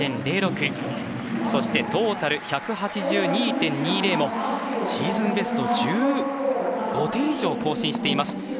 そしてトータル１８２．２０もシーズンベストを１５点以上更新しています。